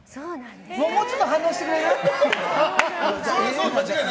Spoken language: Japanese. もうちょっと反応してくれる？